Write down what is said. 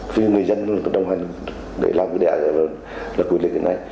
vì người dân đồng hành để làm cái đẻ là quy định này